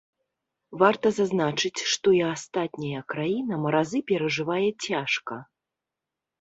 Варта зазначыць, што і астатняя краіна маразы перажывае цяжка.